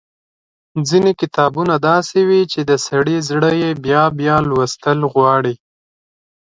ځينې کتابونه داسې وي چې د سړي زړه يې بيا بيا لوستل غواړي۔